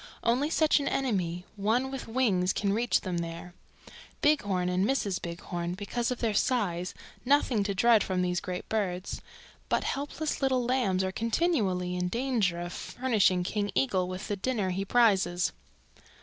Only such an enemy, one with wings, can reach them there. Bighorn and Mrs. Bighorn, because of their size, nothing to dread from these great birds, but helpless little lambs are continually in danger of furnishing King Eagle with the dinner he prizes.